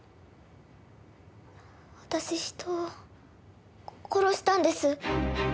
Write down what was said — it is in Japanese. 私人を殺したんです。